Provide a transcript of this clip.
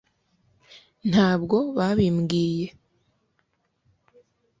ntabwo babimbwiye